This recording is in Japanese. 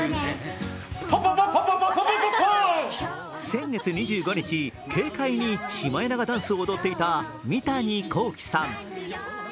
先月２５日、軽快にシマエナガダンスを踊っていた三谷幸喜さん。